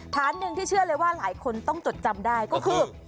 ฐานหนึ่งที่เชื่อเลยว่าหลายคนต้องจดจำได้ก็คือ